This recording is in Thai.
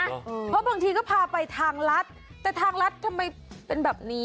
เพราะบางทีก็พาไปทางรัฐแต่ทางรัฐทำไมเป็นแบบนี้